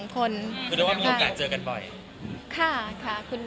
คุณแม่มะม่ากับมะมี่